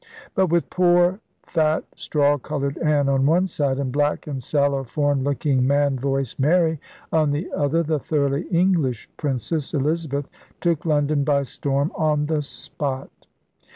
But with poor, fat, straw colored Anne on one side, and black and sallow, foreign looking, man voiced Mary on the other, the thoroughly English Princess Elizabeth took London by storm on the spot.